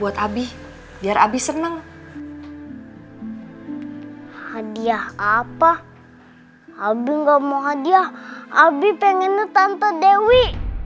abi pengennya tante dewi